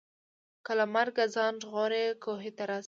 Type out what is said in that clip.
که له مرګه ځان ژغورې کوهي ته راسه